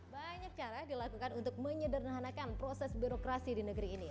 banyak cara dilakukan untuk menyederhanakan proses birokrasi di negeri ini